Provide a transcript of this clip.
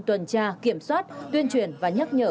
tuần tra kiểm soát tuyên truyền và nhắc nhở